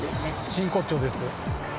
真骨頂です。